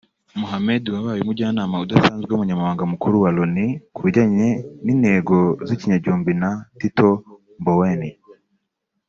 Mohammed wabaye Umujyanama udasanzwe w’Umunyamabanga Mukuru wa Loni ku bijyanye n’intego z’ikinyagihumbi na Tito Mboweni